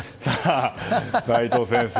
齋藤先生